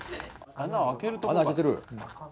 穴開けてる？